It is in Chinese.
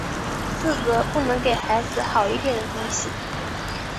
自责不能给孩子好一点的东西